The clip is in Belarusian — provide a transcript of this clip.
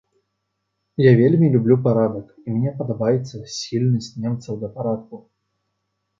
Я вельмі люблю парадак і мне падабаецца схільнасць немцаў да парадку.